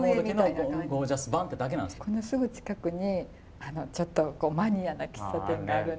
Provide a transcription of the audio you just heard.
このすぐ近くにちょっとマニアな喫茶店があるんですよ。